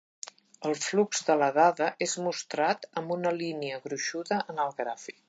El flux de la dada és mostrat amb una línia gruixuda en el gràfic.